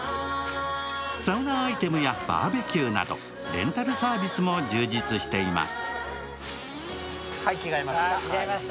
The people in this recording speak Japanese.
サウナアイテムやバーベキューなどレンタルサービスも充実しています。